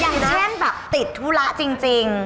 อย่างเช่นแบบติดธุระจริง